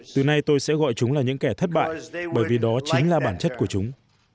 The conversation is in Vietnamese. từ nay tôi sẽ gọi chúng là những kẻ thất bại bởi vì đó chính là bản chất của chúng